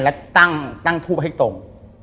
และตั้งทูปให้ตรง